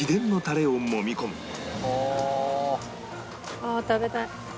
ああ食べたい。